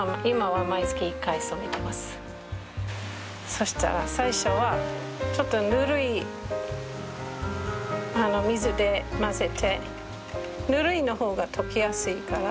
そしたら最初はちょっとぬるい水で混ぜてぬるい方が溶けやすいから。